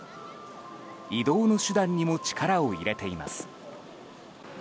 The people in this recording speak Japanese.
移動の手段にも力を入れています。